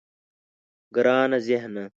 گرانه ذهنه.